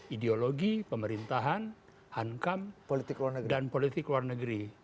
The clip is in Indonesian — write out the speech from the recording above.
ideologi pemerintahan hankam politik dan politik luar negeri